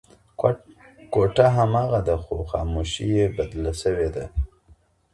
کوټه هماغه ده خو خاموشي یې بدله شوې ده.